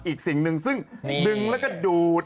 อีกสิ่งหนึ่งซึ่งดึงแล้วก็ดูด